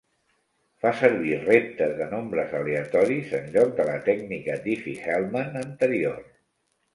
Fa servir reptes de nombres aleatoris en lloc de la tècnica Diffie-Hellman anterior.